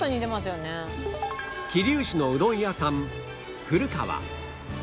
桐生市のうどん屋さんふる川